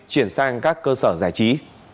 chuyển sang các cơ sở giải trí